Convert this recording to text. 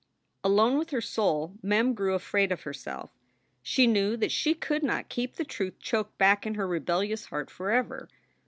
Alone with her soul, Mem grew afraid of herself. She knew that she could not keep the truth choked back in her rebellious heart forever.